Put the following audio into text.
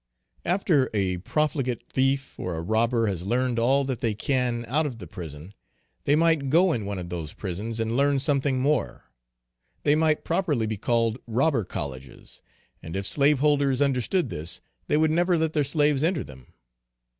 After a profligate, thief, or a robber, has learned all that they can out of the prison, they might go in one of those prisons and learn something more they might properly be called robber colleges; and if slaveholders understood this they would never let their slaves enter them.